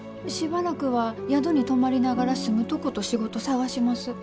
しばらくは宿に泊まりながら住むとこと仕事探します。